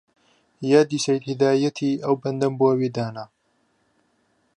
یادی سەید هیدایەتی ئەو بەندەم بۆ وی دانا